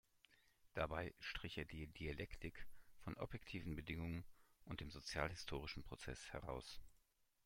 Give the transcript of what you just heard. Dabei strich er die Dialektik von objektiven Bedingungen und dem sozialhistorischen Prozess heraus.